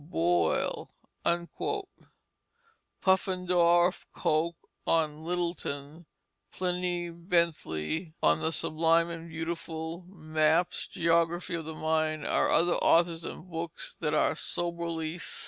Boyle." Puffendorf, Coke on Littleton, Pliny, Bentley on the Sublime and Beautiful, Mapes' Geography of the Mind, are other authors and books that are soberly cited.